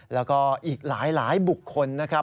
แล้วก็อีกหลายบุคคลนะครับ